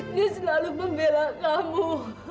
dia selalu membela kamu